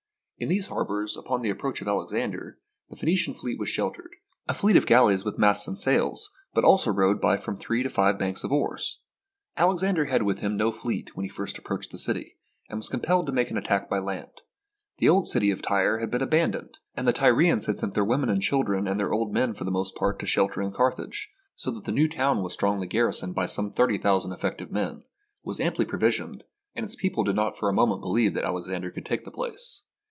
In these harbors, upon the approach of Alexander, the Phoenician fleet was sheltered — a fleet of galleys with masts and sails, but also rowed by from three to five banks of oars. Alexander had with him no fleet when he first approached the city, and was compelled to make an attack by land. The old city of Tyre had been aban doned, and the Tyrians had sent their women and children and their old men for the most part for shelter in Carthage, so that the new town was strongly garrisoned by some thirty thousand effec tive men, was amply provisioned, and its people did not for a moment believe that Alexander could take the place.